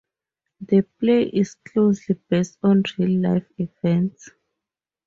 The play is closely based on real-life events.